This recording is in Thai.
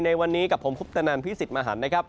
ในวันนี้กับผมคุปตนันพี่สิทธิ์มหันนะครับ